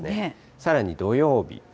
さらに土曜日。